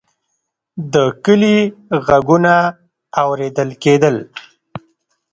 د کلي غږونه اورېدل کېدل.